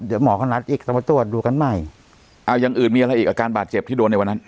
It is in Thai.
เดี๋ยวหมอก็นัดอีกต้องมาตรวจดูกันใหม่เอาอย่างอื่นมีอะไรอีกอาการบาดเจ็บที่โดนในวันนั้น